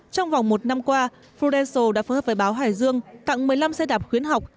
trong vòng một năm qua fudesil đã phối hợp với báo hải dương tặng một mươi năm xe đạp khuyến học